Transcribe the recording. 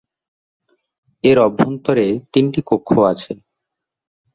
এর অভ্যন্তরে তিনটি কক্ষ আছে।